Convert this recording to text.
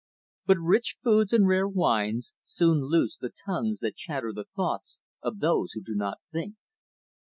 But rich foods and rare wines soon loose the tongues that chatter the thoughts of those who do not think.